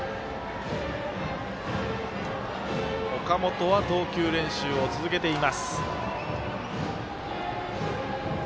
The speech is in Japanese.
岡本は投球練習を続けています。